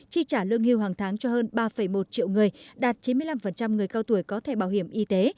chi trả lương hưu hàng tháng cho hơn ba một triệu người đạt chín mươi năm người cao tuổi có thể bảo hiểm y tế